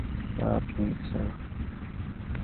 এবার আপনি, স্যার?